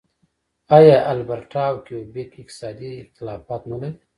آیا البرټا او کیوبیک اقتصادي اختلافات نلري؟